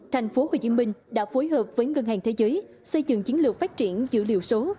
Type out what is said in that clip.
tp hcm đã phối hợp với ngân hàng thế giới xây dựng chiến lược phát triển dữ liệu số